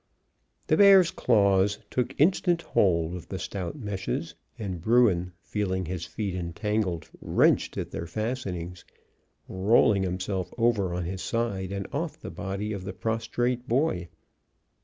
The bear's claws took instant hold of the stout meshes, and bruin, feeling his feet entangled, wrenched at their fastenings, rolling himself over on his side and off the body of the prostrate boy.